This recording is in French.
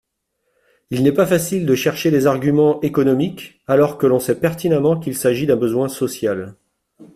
Il n’est pas facile de chercher des arguments économiques alors que l’on sait pertinemment qu’il s’agit d’un besoin social.